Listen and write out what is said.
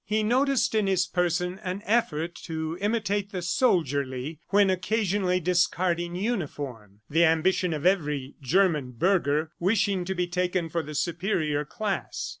He noticed in his person an effort to imitate the soldierly when occasionally discarding uniform the ambition of every German burgher wishing to be taken for the superior class.